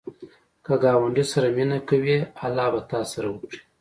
که ګاونډي سره مینه کوې، الله به تا سره وکړي